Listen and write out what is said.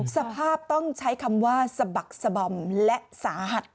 สภาพต้องใช้คำว่าสะบักสะบอมและสาหัส